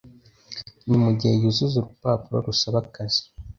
ni mugihe yuzuza urupapuro rusaba akazi.